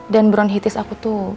dan bronchitis aku tuh